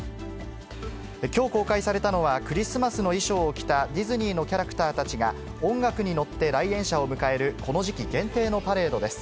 きょう公開されたのは、クリスマスの衣装を着たディズニーのキャラクターたちが、音楽に乗って来園者を迎えるこの時期限定のパレードです。